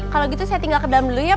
kalau gitu saya tinggal ke dalam dulu ya